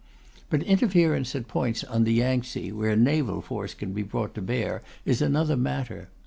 But interference at points on the Yangtsze, where naval force can be brought to bear, is another matter.